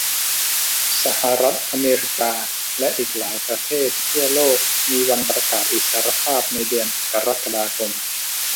สหรัฐอเมริกาและอีกหลายประเทศทั่วโลกมีวันประกาศอิสรภาพในเดือนกรกฎาคม